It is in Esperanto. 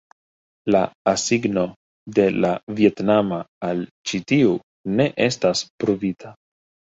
La asigno de la vjetnama al ĉi tiu ne estas pruvita.